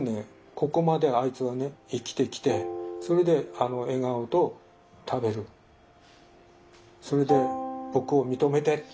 ここまであいつはね生きてきてそれであの笑顔と食べるそれで僕を認めてと。